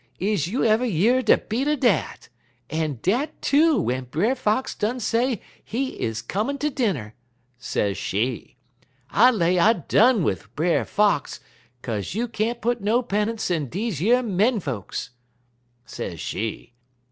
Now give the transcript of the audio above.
is you ever year de beat er dat? En dat, too, w'en Brer Fox done say he comin' ter dinner,' sez she. 'I lay I done wid Brer Fox, kaze you can't put no pennunce in deze yer men folks,' sez she.